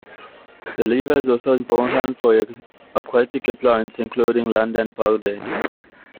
The river is also important for aquatic plants, including Loddon Pondweed.